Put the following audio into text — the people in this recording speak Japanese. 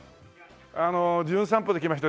あの『じゅん散歩』で来ました